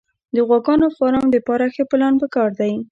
د غواګانو فارم دپاره ښه پلان پکار دی